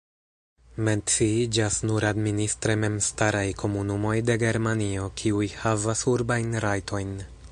Menciiĝas nur administre memstaraj komunumoj de Germanio, kiuj havas urbajn rajtojn.